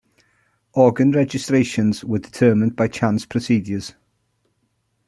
Organ registrations were determined by chance procedures.